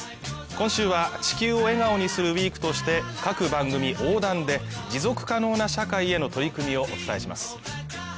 今週は「地球を笑顔にするＷＥＥＫ」として各番組横断で持続可能な社会への取り組みをお伝えします